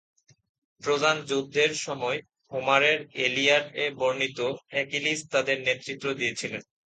Trojan যুদ্ধের সময়, হোমারের "ইলিয়াড"-এ বর্ণিত, অ্যাকিলিস তাদের নেতৃত্ব দিয়েছিলেন।